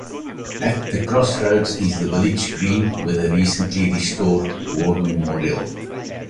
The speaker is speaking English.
At the crossroads is the village green with a recently restored war memorial.